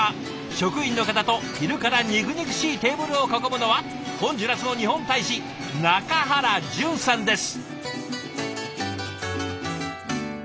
職員の方と昼から肉々しいテーブルを囲むのはホンジュラスの日本大使中原淳さんです。